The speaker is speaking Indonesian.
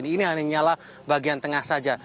ini hanya nyala bagian tengah saja